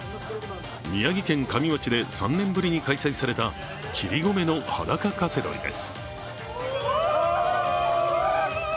宮城県加美町で３年ぶりに開催された切込の裸カセドリです。